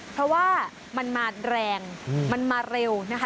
เพราะว่ามันมาแรงมันมาเร็วนะคะ